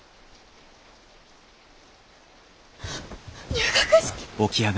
入学式！